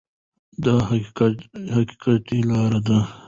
دا د حقیقت لاره ده.